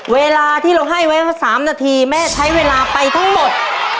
เวลาที่เราให้ไว้๓นาทีแม่ใช้เวลาไปทั้งหมด